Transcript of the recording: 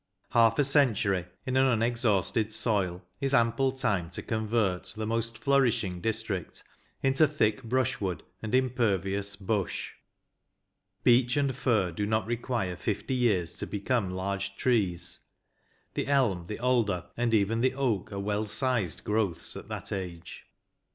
'' Half a century in an unexhausted soil is ample time to convert the most flourishing district into thick brushwood and impervious hush. Beech and fir do not require fifty years to become large trees; the elm, the alder, and even the oak, are well sized growths at that age."